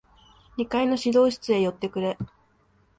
二階の指導室へ寄ってくれ。